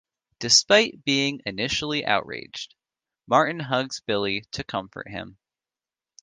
Despite being initially outraged, Martin hugs Billy to comfort him.